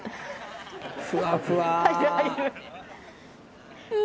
ふわふわー。